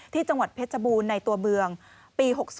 ที่จังหวัดเพชรบูรณ์ในตัวเมืองปี๖๐